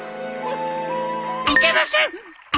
いけません！